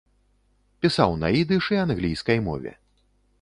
Пісаў на ідыш і англійскай мове.